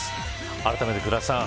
あらためて倉田さん。